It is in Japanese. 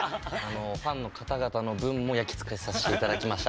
ファンの方々の分も焼き付けさせていただきました。